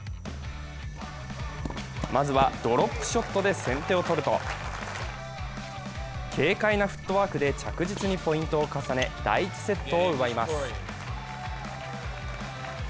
まずはドロップショットで先手を取ると、軽快なフットワークで着実にポイントを重ね、第１セットを奪います。